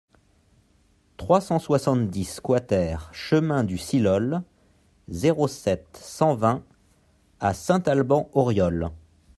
trois cent soixante-dix QUATER chemin du Silhol, zéro sept, cent vingt à Saint-Alban-Auriolles